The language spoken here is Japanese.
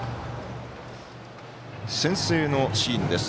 先制のシーンです。